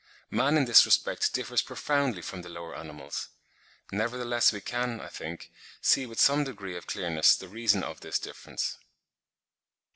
Man in this respect differs profoundly from the lower animals. Nevertheless we can, I think, see with some degree of clearness the reason of this difference.